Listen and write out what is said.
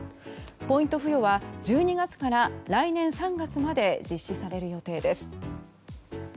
ポイント付与は１２月から来年３月まで実施される予定です。